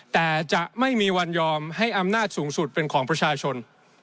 แต่จะไม่มีวันยอมให้อำนาจสูงสุดเป็นของประชาชน